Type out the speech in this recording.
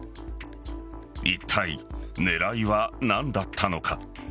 いったい、狙いは何だったのか。